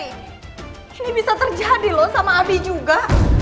ini bisa terjadi loh sama abi juga